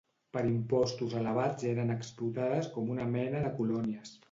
Per impostos elevats eren explotades com una mena de colònies.